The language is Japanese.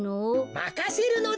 まかせるのだ。